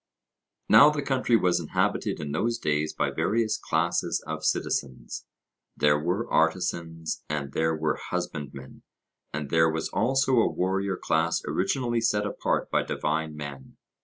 Now the country was inhabited in those days by various classes of citizens; there were artisans, and there were husbandmen, and there was also a warrior class originally set apart by divine men.